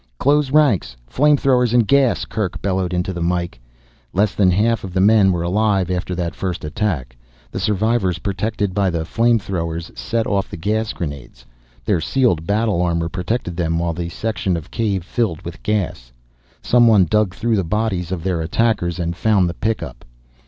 "Close ranks flame throwers and gas!" Kerk bellowed into the mike. Less than half of the men were alive after that first attack. The survivors, protected by the flame throwers, set off the gas grenades. Their sealed battle armor protected them while the section of cave filled with gas. Someone dug through the bodies of their attackers and found the pickup.